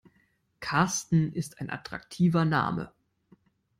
Karsten ist ein attraktiver Name.